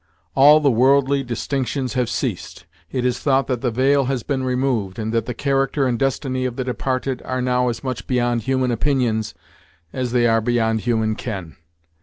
All worldly distinctions have ceased; it is thought that the veil has been removed, and that the character and destiny of the departed are now as much beyond human opinions, as they are beyond human ken.